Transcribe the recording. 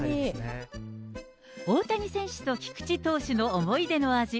大谷選手と菊池投手の思い出の味。